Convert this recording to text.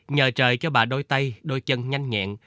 nhờ trời cho bà đôi tay đôi chân nhanh nhẹn